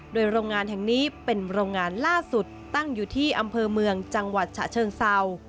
โดยโรงงานแห่งนี้เป็นโรงงานล่าสุดตั้งอยู่ที่อำเภอเมืองจังหวัดฉะเชิงเศร้า